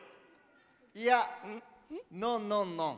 いやノンノンノン。